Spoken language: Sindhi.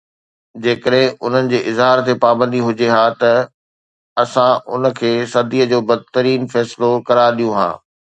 جيڪڏهن انهن جي اظهار تي پابندي هجي ها ته اسان ان کي صدي جو بدترين فيصلو قرار ڏيون ها